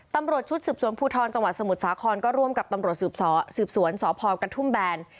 ตำรวจชุดสืบสวนภูทรจังหวัดสมุทรสาครก็ร่วมกับตำรวจสืบสวนสพกระทุ่มแบน